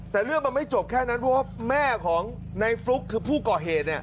แต่เรื่องมันไม่จบแค่นั้นเพราะว่าแม่ของในฟลุ๊กคือผู้ก่อเหตุ